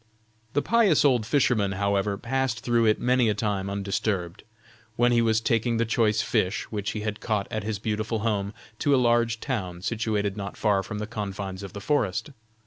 The pious old fisherman, however, passed through it many a time undisturbed, when he was taking the choice fish, which he had caught at his beautiful home, to a large town situated not far from the confines of the forest.